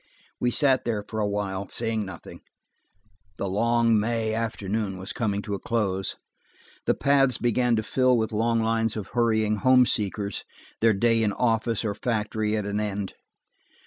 We sat there for a while saying nothing; the long May afternoon was coming to a close. The paths began to fill with long lines of hurrying homeseekers, their day in office or factory at an end.